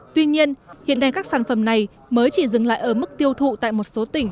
tuy nhiên hiện nay các sản phẩm này mới chỉ dừng lại ở mức tiêu thụ tại một số tỉnh